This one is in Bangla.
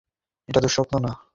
এটা দুঃস্বপ্ন না।